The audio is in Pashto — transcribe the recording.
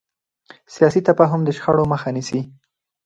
سیاسي تفاهم د شخړو مخه نیسي